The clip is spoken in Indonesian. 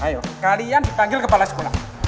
ayo kalian dipanggil kepala sekolah